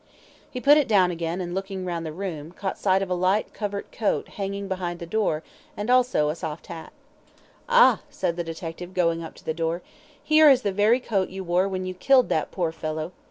He put it down again, and looking round the room, caught sight of a light covert coat hanging behind the door and also a soft hat. "Ah," said the detective, going up to the door, "here is the very coat you wore when you killed that poor fellow.